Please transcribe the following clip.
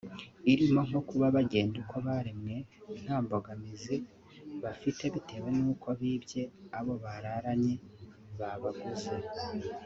irimo nko kuba bagenda uko baremwe nta mbogamizi bafite bitewe n’uko bibye abo bararanye babaguze